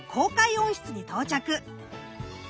温室に到着。